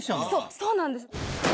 そうなんです。